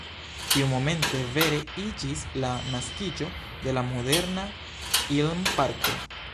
Tiumomente vere iĝis la naskiĝo de la moderna Ilm-parko.